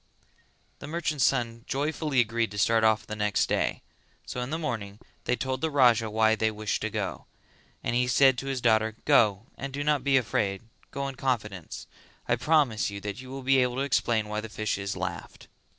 The merchant's son joyfully agreed to start off the next day; so in the morning they told the Raja why they wished to go, and he said to his daughter "Go and do not be afraid; go in confidence, I promise you that you will be able to explain why the fishes laughed."